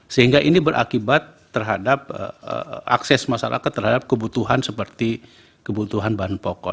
sehingga ini berakibat terhadap akses masyarakat terhadap kebutuhan seperti kebutuhan bahan pokok